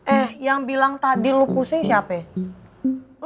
eh yang bilang tadi lu pusing siapa ya